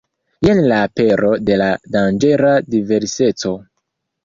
Jen la apero de danĝera diverseco.